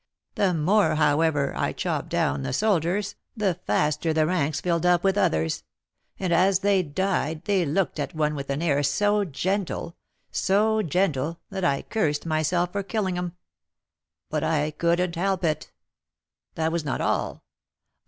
The more, however, I chopped down the soldiers, the faster the ranks filled up with others; and as they died, they looked at one with an air so gentle, so gentle, that I cursed myself for killing 'em; but I couldn't help it. That was not all.